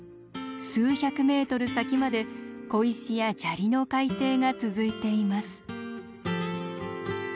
数百メートル先まで小石や砂利の海底が続いています。